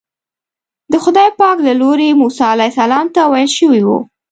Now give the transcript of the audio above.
د خدای پاک له لوري موسی علیه السلام ته ویل شوي وو.